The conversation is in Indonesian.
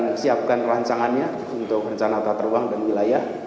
kita akan siapkan rancangannya untuk rencana otot ruang dan wilayah